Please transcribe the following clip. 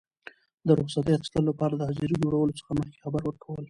د رخصتي اخیستلو لپاره د حاضرۍ جوړولو څخه مخکي خبر ورکول.